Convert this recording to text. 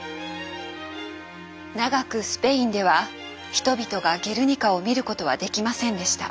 長くスペインでは人々が「ゲルニカ」を見ることはできませんでした。